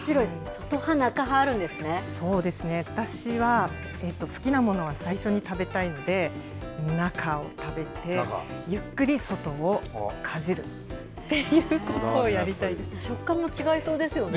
外派、そうですね、私は、好きなものは最初に食べたいんで、中を食べて、ゆっくり外をかじるってい食感も違いそうですよね。